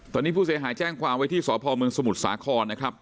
ตอนนี้ผู้เสียหายแจ้งความไว้ที่สพเมืองสมุทรสาครนะครับ